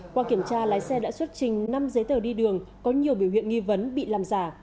qua kiểm tra lái xe đã xuất trình năm giấy tờ đi đường có nhiều biểu hiện nghi vấn bị làm giả